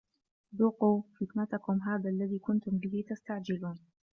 ذوقوا فِتنَتَكُم هذَا الَّذي كُنتُم بِهِ تَستَعجِلونَ